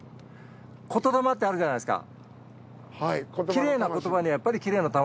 言霊ってあるじゃないですか。